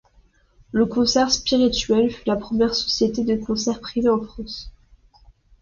Le Concert spirituel fut la première société de concerts privés en France.